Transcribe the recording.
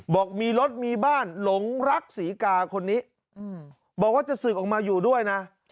บอกมีรถมีบ้านหลงรักศรีกาคนนี้บอกว่าจะศึกออกมาอยู่ด้วยนะ